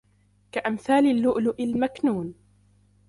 كَأَمْثَالِ اللُّؤْلُؤِ الْمَكْنُونِ